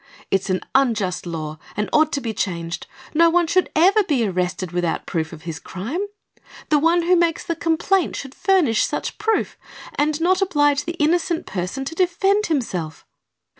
It's an unjust law and ought to be changed. No one should ever be arrested without proof of his crime. The one who makes the complaint should furnish such proof, and not oblige the innocent person to defend himself."